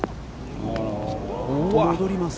戻ります。